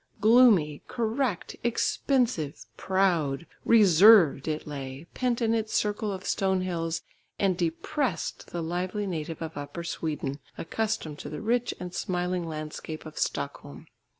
Gloomy, correct, expensive, proud, reserved it lay, pent in its circle of stone hills, and depressed the lively native of Upper Sweden, accustomed to the rich and smiling landscape of Stockholm.